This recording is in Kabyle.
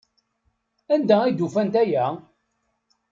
Anda ay d-ufant aya?